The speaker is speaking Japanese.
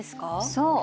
そう。